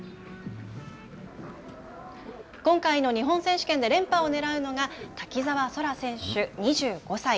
今回の日本選手権で連覇をねらうのが滝澤空良選手、２５歳。